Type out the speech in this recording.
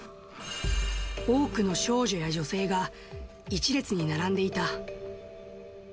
多くの少女や女性が、１列に並んでいた。